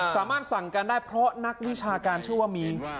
สามารถสั่งการได้เพราะนักวิชาการชื่อว่ามี